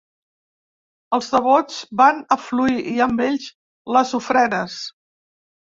Els devots van afluir i amb ells les ofrenes.